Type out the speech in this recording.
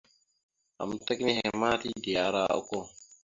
Amətak nehe ma tide ara okko.